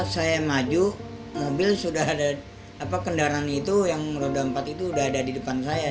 saya maju mobil sudah ada kendaraan itu yang roda empat itu sudah ada di depan saya